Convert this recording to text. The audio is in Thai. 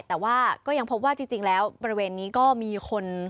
แต่ว่าก็ยังพบว่าจริงแล้วบริเวณนี้ก็มีคน